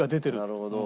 なるほど。